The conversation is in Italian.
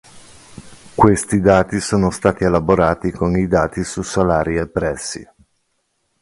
Questi dati sono stati elaborati con i dati su salari e prezzi.